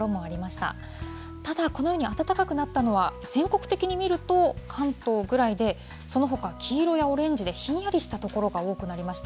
ただ、このように暖かくなったのは、全国的に見ると、関東ぐらいで、そのほか、黄色やオレンジでひんやりした所が多くなりました。